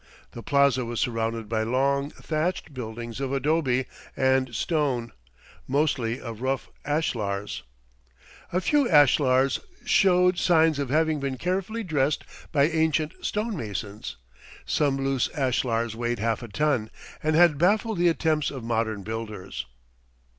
The plaza was surrounded by long, thatched buildings of adobe and stone, mostly of rough ashlars. A few ashlars showed signs of having been carefully dressed by ancient stonemasons. Some loose ashlars weighed half a ton and had baffled the attempts of modern builders.